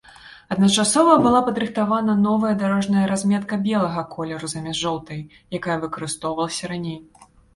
Адначасова была падрыхтавана новая дарожная разметка белага колеру замест жоўтай, якая выкарыстоўвалася раней.